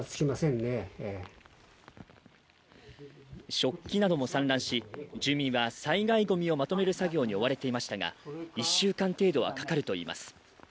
食器なども散乱し、住民は災害ごみをまとめる作業に追われていましたが、１週間程度はかかるといいます。